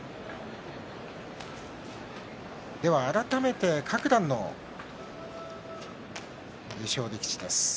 改めて各段の優勝力士です。